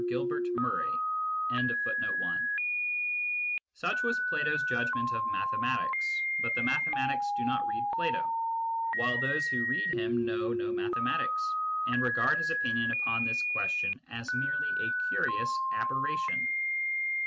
1 Such was Plato s judgment of mathematics ; but the mathe maticians do not read Plato, while those who read him know no mathematics, and regard his opinion upon this question as merely a curious aberration.